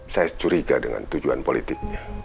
saya curiga dengan tujuan politik